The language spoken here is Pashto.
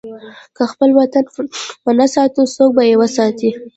که خپل وطن ونه ساتو، څوک به یې وساتي؟